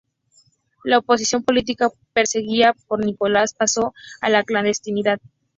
La oposición política, perseguida por Nicolás, pasó a la clandestinidad.